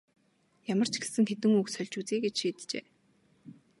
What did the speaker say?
Ямар ч гэсэн хэдэн үг сольж үзье гэж шийджээ.